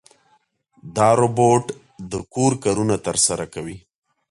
دا روبوټ د کور کارونه ترسره کوي.